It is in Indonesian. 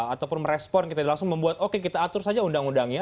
ataupun merespon kita langsung membuat oke kita atur saja undang undangnya